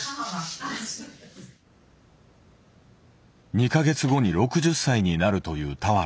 ２か月後に６０歳になるという俵。